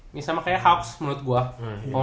ini sama kayak hoax menurut gue